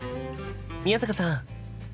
宮坂さん。